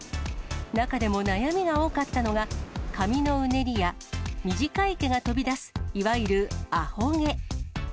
中でも悩みが多かったのは、髪のうねりや短い毛が飛び出す、いわゆるアホ毛。